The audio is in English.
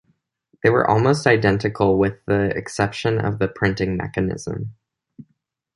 They were almost identical, with the exception of the printing mechanism.